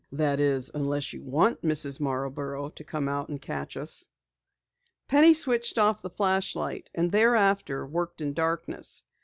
"That is, unless you want Mrs. Marborough to come out and catch us." Penny switched off the flashlight and thereafter worked in darkness.